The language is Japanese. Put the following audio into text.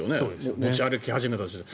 持ち歩き始めた時点で。